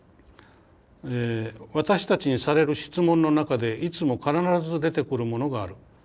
「私たちにされる質問の中でいつも必ず出てくるものがある。